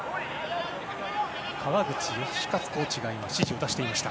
川口能活コーチが指示を出していました。